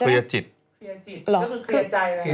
เคลียร์จิตก็คือเคลียร์ใจเลย